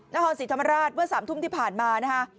นครศรีธรรมราชเมื่อ๓ทุ่มที่ผ่านมานะฮะ